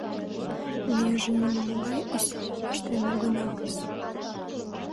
— Меже нимогай осалым ыштен огыналыс...